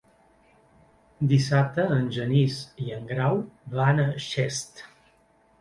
Dissabte en Genís i en Grau van a Xest.